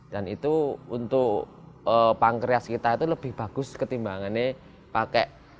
dan itu untuk pankreas kita itu lebih bagus ketimbangannya pakai gula putih